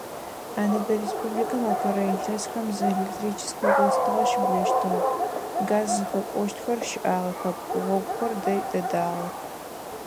Адыгэ Республикэм апэрэ илъэсхэм зы электрическэ остыгъэ щыблэщтыгъэп, газ зыфэпӏощтхэр щыӏагъэхэп, гъогухэр дэй дэдагъэх.